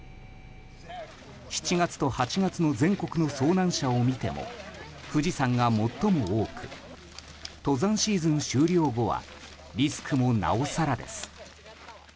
７月と８月の全国の遭難者を見ても富士山が最も多く登山シーズン終了後はリスクもなおさらです。